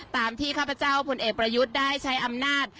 ตามที่ข้าพเจ้าผลเอกประยุทธ์ได้ใช้อำนาจ